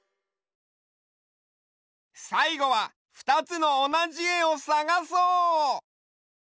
さいごはふたつのおなじえをさがそう！